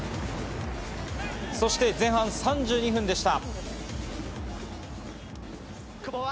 そして前半３２分でした。